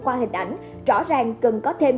qua hình ảnh rõ ràng cần có thêm